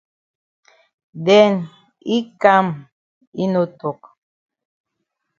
Den yi kam yi no tok.